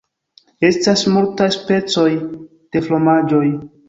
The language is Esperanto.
Estas multaj specoj de fromaĝoj.